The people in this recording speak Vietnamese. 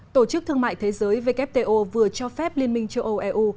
tổ chức thương mại thế giới wto vừa cho phép liên minh châu âu eu